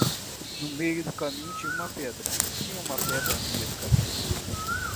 No meio do caminho tinha uma pedra, tinha uma pedra no meio do caminho.